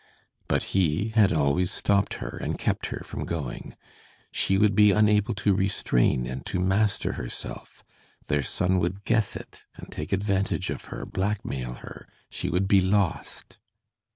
But he had always stopped her and kept her from going. She would be unable to restrain and to master herself; their son would guess it and take advantage of her, blackmail her; she would be lost.